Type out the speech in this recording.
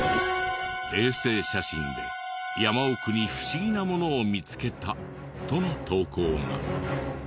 衛星写真で山奥に不思議なものを見つけたとの投稿が。